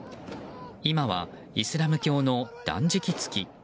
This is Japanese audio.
今は、イスラム教の断食月。